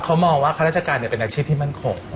เขามองว่าข้าราชการเป็นอาชีพที่มั่นคง